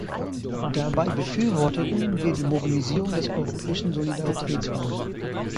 Dabei befürworteten wir die Mobilisierung des Europäischen Solidaritätsfonds.